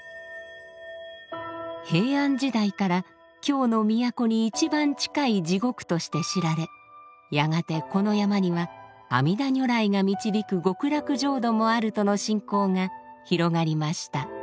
平安時代から「京の都に一番近い地獄」として知られやがてこの山には「阿弥陀如来が導く極楽浄土もある」との信仰が広がりました。